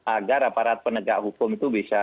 agar aparat penegak hukum itu bisa